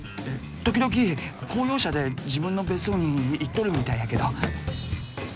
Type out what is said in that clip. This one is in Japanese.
時々公用車で自分の別荘に行っとるみたいやけど。